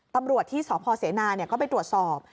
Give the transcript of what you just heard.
ตำรวจที่สพเสนาก็ไปตรวจสอบ